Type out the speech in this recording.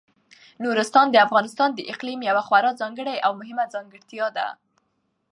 نورستان د افغانستان د اقلیم یوه خورا ځانګړې او مهمه ځانګړتیا ده.